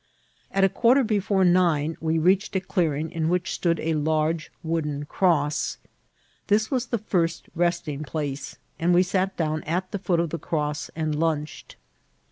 At a quarter before nine we reached a clearing, in which stood a large wooden cross. This was the first resting place, and we sat down at the foot of the cross and lunched.